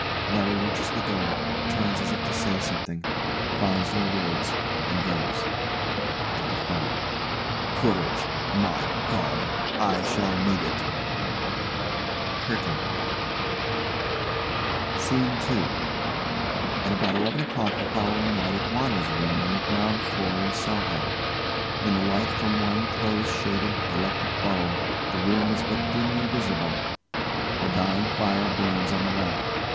LARRY reaches the door, turns as if to say something finds no words, and goes. [To the fire] Courage! My God! I shall need it! CURTAIN SCENE II At out eleven o'clock the following night an WANDA'S room on the ground floor in Soho. In the light from one close shaded electric bulb the room is but dimly visible. A dying fire burns on the left.